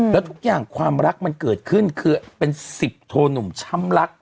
แล้วทุกอย่างความรักมันเกิดขึ้นคือเป็น๑๐โทหนุ่มช้ำรัก